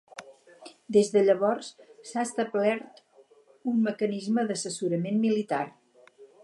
Des de llavors, s'ha establert un mecanisme d'assessorament militar.